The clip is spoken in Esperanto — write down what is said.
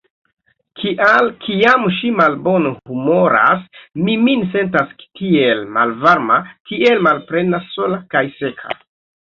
Kial, kiam ŝi malbonhumoras, mi min sentas tiel malvarma, tiel malplena, sola kaj seka?